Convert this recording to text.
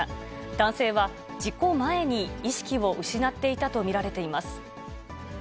男性は、事故前に意識を失っていたと見られています。